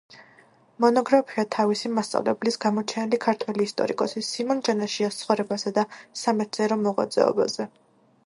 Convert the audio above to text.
მონოგრაფია თავისი მასწავლებლის, გამოჩენილი ქართველი ისტორიკოსის სიმონ ჯანაშიას ცხოვრებასა და სამეცნიერო მოღვაწეობაზე.